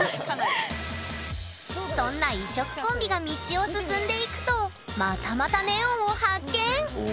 そんな異色コンビが道を進んでいくとまたまたネオンを発見！